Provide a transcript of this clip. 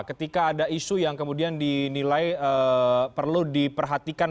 ketika ada isu yang kemudian dinilai perlu diperhatikan